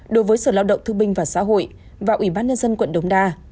đối với sở lao động thư binh và xã hội và ubnd quận đống đa